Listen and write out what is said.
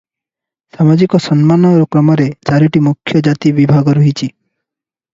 ସାମାଜିକ ସମ୍ମାନ କ୍ରମରେ ଚାରିଟି ମୁଖ୍ୟ ଜାତି ବିଭାଗ ରହିଛି ।